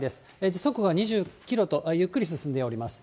時速は２０キロと、ゆっくり進んでおります。